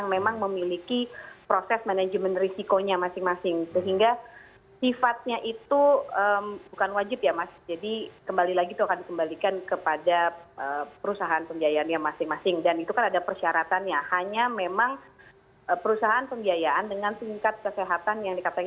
menerapkan proses manajemen resiko yang baik sehingga prosesnya tentunya akan sangat selektif